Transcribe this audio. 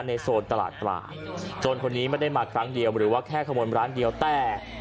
โซนตลาดปลาโจรคนนี้ไม่ได้มาครั้งเดียวหรือว่าแค่ขโมยร้านเดียวแต่